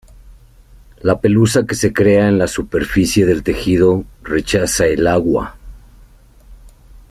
La pelusa que se crea en la superficie del tejido rechaza el agua.